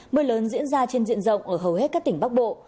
mưa lớn diễn ra trên diện rộng ở hầu hết các tỉnh bắc bộ